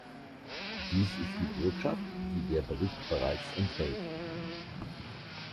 Dies ist die Botschaft, die der Bericht bereits enthält.